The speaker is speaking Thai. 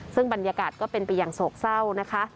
ซึ่งบรรยากาศก็เป็นไปอย่างโศกเศร้านะคะ